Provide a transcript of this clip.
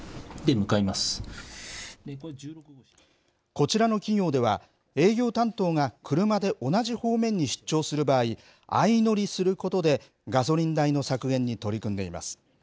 こちらの企業では、営業担当が車で同じ方面に出張する場合、相乗りすることで、ガソリン代の削減に取り組んでいます。